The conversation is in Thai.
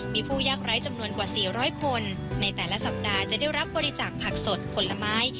มีผู้ยากไร้จำนวนกว่า๔๐๐คนในแต่ละสัปดาห์จะได้รับบริจาคผักสดผลไม้